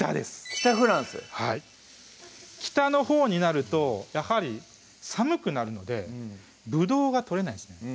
北フランス北のほうになるとやはり寒くなるのでぶどうが採れないんですね